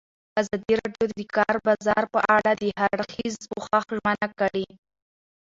ازادي راډیو د د کار بازار په اړه د هر اړخیز پوښښ ژمنه کړې.